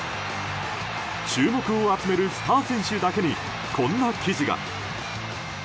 注目を集めるスター選手だけにこんな記事が。